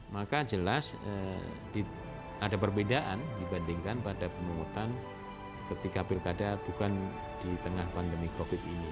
maka jelas ada perbedaan dibandingkan pada pemungutan ketika pilkada bukan di tengah pandemi covid ini